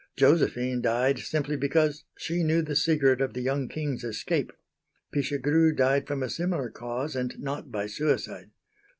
Josephine died simply because she knew the secret of the young King's escape. Pichegru died from a similar cause and not by suicide.